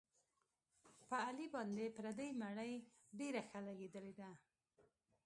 په علي باندې پردۍ مړۍ ډېره ښه لګېدلې ده.